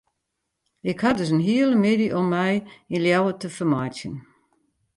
Ik ha dus in hiele middei om my yn Ljouwert te fermeitsjen.